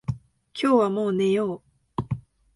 今日はもう寝よう。